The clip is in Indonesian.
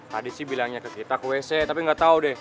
tadi sih bilangnya ke kita ke wc tapi nggak tahu deh